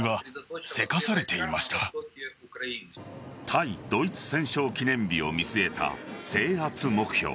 対ドイツ戦勝記念日を見据えた制圧目標。